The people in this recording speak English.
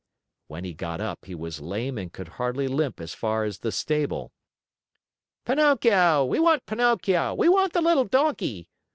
When he got up, he was lame and could hardly limp as far as the stable. "Pinocchio! We want Pinocchio! We want the little Donkey!"